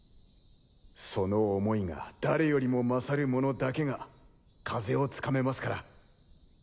その想いが誰よりも勝る者だけが風を掴めますから。